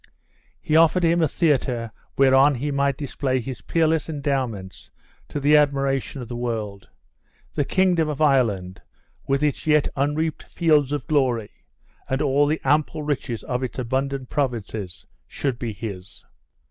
He offered him a theater whereon he might display his peerless endowments to the admiration of the world the kingdom of Ireland, with its yet unreaped fields of glory, and all the ample riches of its abundant provinces, should be his!